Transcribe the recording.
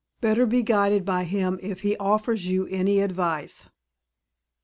Better be guided by him if he offers you any advice."